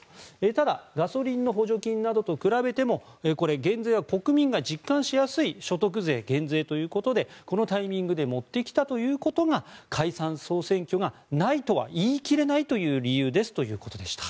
ただ、ガソリンの補助金などと比べても減税は国民が実感しやすい所得減税ということでこのタイミングで持ってきたということが解散・総選挙がないとは言い切れないという理由ですということでした。